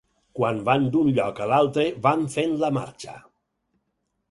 Quan van d'un lloc a l'altre van fent la marxa.